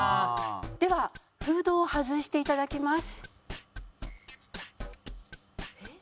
ではフードを外していただきます。